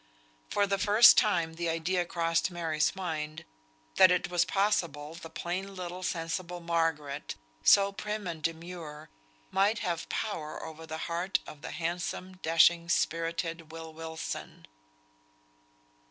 For the first time the idea crossed Mary's mind that it was possible the plain little sensible Margaret, so prim and demure, might have power over the heart of the handsome, dashing, spirited Will Wilson.